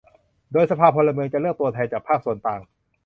โดยสภาพลเมืองจะเลือกตัวแทนจากภาคส่วนต่าง